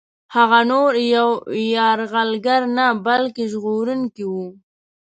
هغه نور یو یرغلګر نه بلکه ژغورونکی وو.